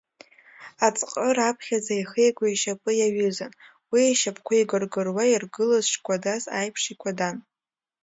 Аӡҟы раԥхьаӡа еихиго ишьапы иаҩызан, уи ишьапқәа игыргыруа иргылоз шкәадаз аиԥш, икәадан.